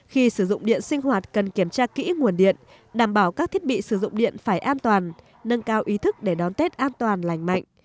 khi sử dụng điện sinh hoạt cần kiểm tra kỹ nguồn điện đảm bảo các thiết bị sử dụng điện phải an toàn nâng cao ý thức để đón tết an toàn lành mạnh